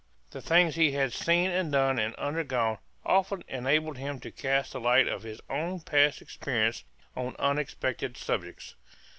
The things he had seen and done and undergone often enabled him to cast the light of his own past experience on unexpected subjects.